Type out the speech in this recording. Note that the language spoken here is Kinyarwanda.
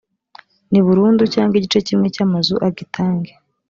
ni burundu cyangwa igice kimwe cyamazu agitange